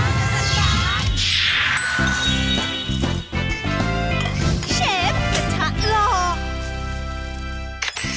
ช่วงนี้จะพาคุณแม่บ้านมากกว่า